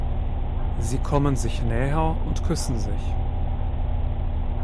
Sie kommen sich näher und küssen sich.